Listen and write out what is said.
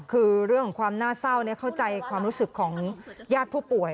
คือเรื่องของความน่าเศร้าเข้าใจความรู้สึกของญาติผู้ป่วย